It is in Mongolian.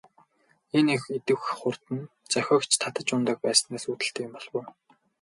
Энэ их идэвх хурд нь зохиогч татаж унадаг байснаас үүдэлтэй юм болов уу?